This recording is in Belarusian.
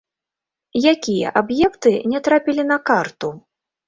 Якія аб'екты не трапілі на карту?